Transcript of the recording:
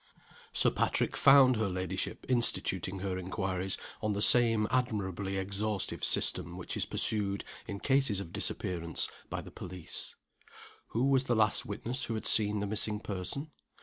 Sir Patrick found her ladyship instituting her inquiries on the same admirably exhaustive system which is pursued, in cases of disappearance, by the police. Who was the last witness who had seen the missing person?